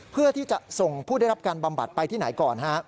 เพื่อที่จะส่งผู้ได้รับการบำบัดไปที่ไหนก่อน